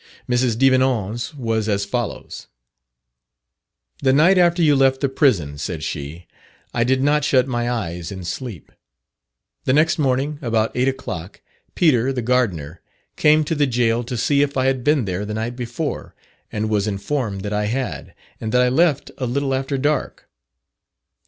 Mrs. Devenant's was as follows: "The night after you left the prison," said she, "I did not shut my eyes in sleep. The next morning, about 8 o'clock, Peter, the gardener, came to the gaol to see if I had been there the night before, and was informed that I had, and that I left a little after dark.